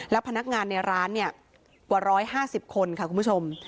และพนักงานในร้านกว่าร้อยห้าสิบคนค่ะคุณผู้ชม